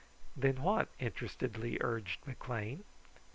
"Then what?" interestedly urged McLean.